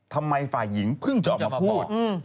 ทำไมฝ่ายหญิงเพิ่งจะออกมาพูด